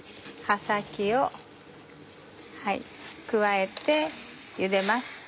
葉先を加えてゆでます。